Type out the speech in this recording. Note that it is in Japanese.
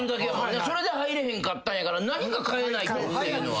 それで入れへんかったんやから何かかえないとっていうのは。